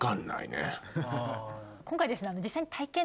今回ですね。